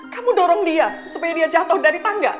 kamu dorong dia supaya dia jatuh dari tangga